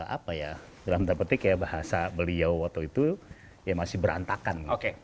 apa ya dalam tanda petik ya bahasa beliau waktu itu ya masih berantakan